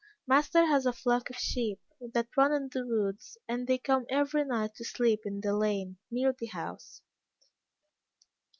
Master has a flock of sheep, that run in the woods, and they come every night to sleep in the lane near the house.